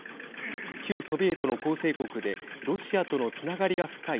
旧ソビエトの構成国でロシアとのつながりが深い